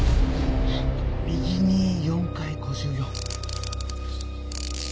右に４回５４。